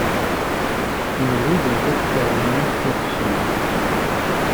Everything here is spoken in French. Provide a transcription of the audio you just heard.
Une rue de la capitale Allemande porte son nom.